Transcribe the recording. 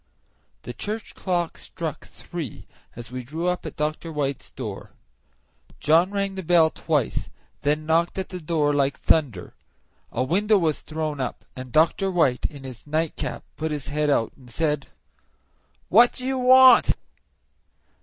The church clock struck three as we drew up at Dr. White's door. John rang the bell twice, and then knocked at the door like thunder. A window was thrown up, and Dr. White, in his nightcap, put his head out and said, "What do you want?"